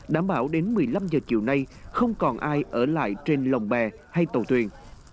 đảm bảo đến một mươi năm h chiều nay không còn ai ở lại trên lồng bè hay tàu thuyền